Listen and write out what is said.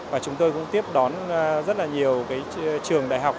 và chúng tôi cũng tiếp đón rất là nhiều trường đại học